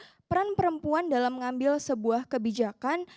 bagaimana peran perempuan dalam mengambil sebuah kebijakan